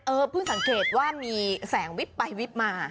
เพิ่งสังเกตว่ามีแสงวิบไปวิบมา